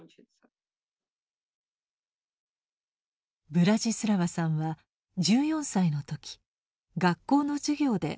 ブラジスラワさんは１４歳の時学校の授業で俳句に出会いました。